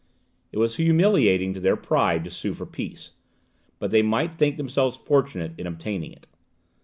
It was humiliating to their pride to sue for peace, but they might think themselves fortunate in obtaining it.